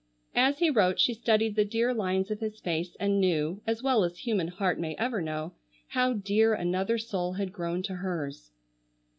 As he wrote she studied the dear lines of his face and knew, as well as human heart may ever know, how dear another soul had grown to hers.